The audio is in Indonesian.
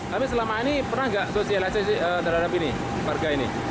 tapi selama ini pernah nggak sosialisasi terhadap ini warga ini